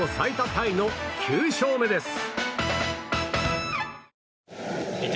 タイの９勝目です。